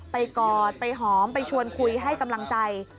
กอดไปหอมไปชวนคุยให้กำลังใจ